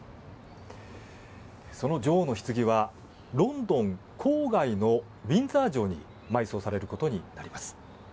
その女王のひつぎはロンドン郊外のウィンザー城に埋葬されることになります。